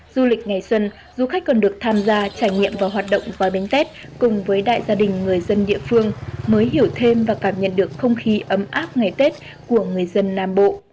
du lịch ngày xuân du khách còn được tham gia trải nghiệm và hoạt động vói bánh tết cùng với đại gia đình người dân địa phương mới hiểu thêm và cảm nhận được không khí ấm áp ngày tết của người dân nam bộ